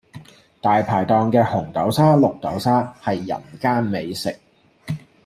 大排檔嘅紅豆沙、綠豆沙係人間美食